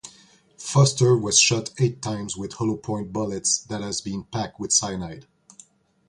Foster was shot eight times with hollow-point bullets that had been packed with cyanide.